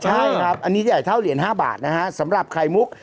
ใช่ครับอันนี้ใหญ่เท่าเหรียญ๕บาทนะฮะสำหรับไข่มุก